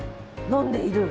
飲んでいる？